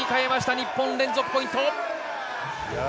日本の連続ポイント。